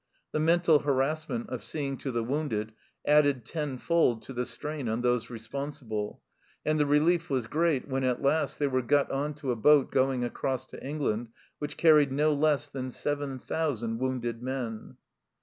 The mental harassment of seeing to the wounded added ten fold to the strain on those responsible, and the relief was great when, at last, they were got on to a boat going across to England, which carried no less than seven thousand wounded men